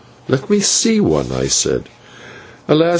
"Let me see one," I said. "Alas!